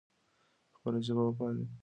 خپله ژبه وپالئ ترڅو تاریخ مو ورک نه سي.